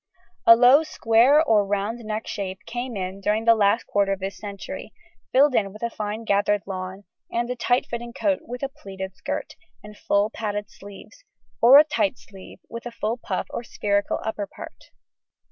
A low square or round neck shape came in during the last quarter of this century, filled in with a fine gathered lawn and a tight fitting coat with a pleated skirt and full padded sleeves, or a tight sleeve with a full puff or spherical upper part.